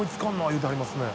言うてはりますね。